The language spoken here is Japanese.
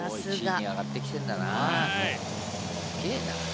上がってきてるんだな。